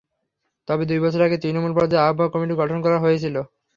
তবে দুই বছর আগে তৃণমূল পর্যায়ে আহ্বায়ক কমিটি গঠন করা হয়েছিল।